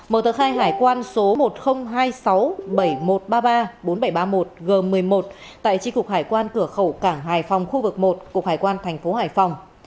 mở tờ khai hải quan số một nghìn hai mươi sáu bảy nghìn một trăm ba mươi ba bốn nghìn bảy trăm ba mươi một g một mươi một tại tri cục hải quan cửa khẩu cảng hải phòng khu vực một của hải quan thành phố hải phòng